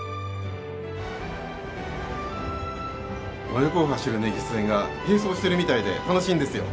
真横を走る根岸線が並走してるみたいで楽しいんですよ。